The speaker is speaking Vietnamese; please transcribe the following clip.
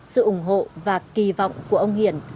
sự ủng hộ và kỳ vọng của ông hiền